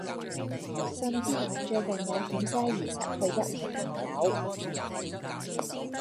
甚至最近也險些兒失去一位朋友